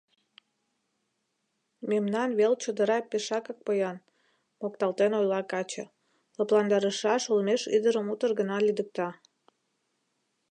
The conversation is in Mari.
— Мемнан вел чодыра пешакак поян, — мокталтен ойла каче, лыпландарышаш олмеш ӱдырым утыр гына лӱдыкта.